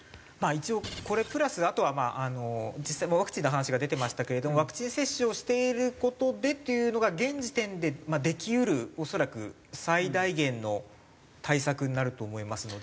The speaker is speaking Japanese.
一応これプラスあとはまああの実際もうワクチンの話が出てましたけれども「ワクチン接種をしている事で」っていうのが現時点ででき得る恐らく最大限の対策になると思いますので。